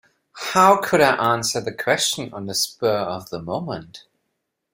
How could I answer the question on the spur of the moment.